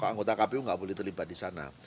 anggota kpu nggak boleh terlibat di sana